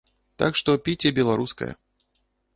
Так што піце беларускае.